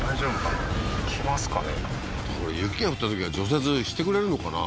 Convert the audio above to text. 確かにこれ雪が降ったときは除雪してくれるのかな？